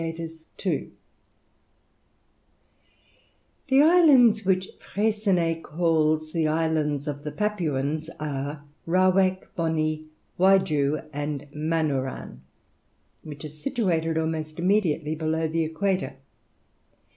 ] The islands which Freycinet calls the islands of the Papuans are Rawak, Boni, Waigiou, and Manouran, which are situated almost immediately below the equator.